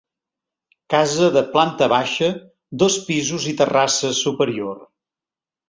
Casa de planta baixa, dos pisos i terrassa superior.